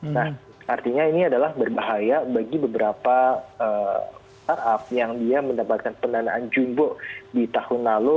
nah artinya ini adalah berbahaya bagi beberapa startup yang dia mendapatkan pendanaan jumbo di tahun lalu